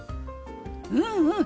うんうん！